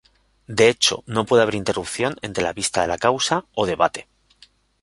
De hecho no puede haber interrupción entre la vista de la causa o debate.